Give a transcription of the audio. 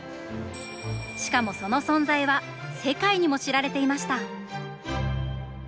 しかもその存在は世界にも知られていました。